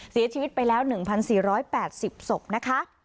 เสียชีวิตไปแล้ว๑๔๘๐ศพนะคะ